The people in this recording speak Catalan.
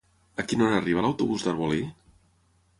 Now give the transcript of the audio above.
A quina hora arriba l'autobús d'Arbolí?